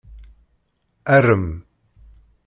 Arem!